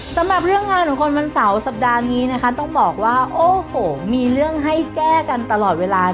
สำหรับเรื่องงานของคนวันเสาร์สัปดาห์นี้นะคะต้องบอกว่าโอ้โหมีเรื่องให้แก้กันตลอดเวลา